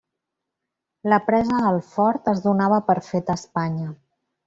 La presa del fort es donava per fet a Espanya.